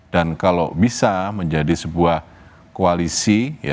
dan kalau bisa menjadi sebuah koalisi